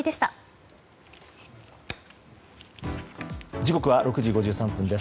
時刻は６時５３分です。